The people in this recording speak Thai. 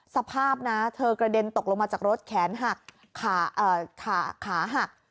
สภาพนะเธอกระเด็นตกลงมาจากรถแขนหักขาหัก